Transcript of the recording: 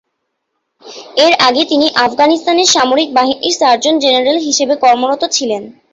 এর আগে তিনি আফগানিস্তানের সামরিক বাহিনীর সার্জন জেনারেল হিসেবে কর্মরত ছিলেন।